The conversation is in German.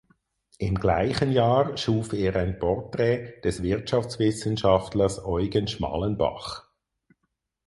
Im gleichen Jahr schuf er ein Porträt des Wirtschaftswissenschaftlers Eugen Schmalenbach.